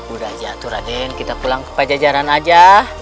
udah aja atu raden kita pulang ke pajajaran aja